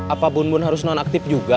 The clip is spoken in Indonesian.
apa bun bun harus nonaktif juga